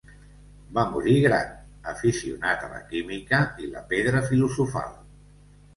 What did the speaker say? Va morir gran, aficionat a la química i la pedra filosofal.